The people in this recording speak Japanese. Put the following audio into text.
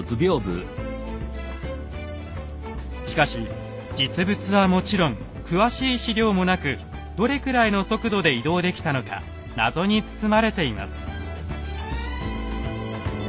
しかし実物はもちろん詳しい史料もなくどれくらいの速度で移動できたのかナゾに包まれています。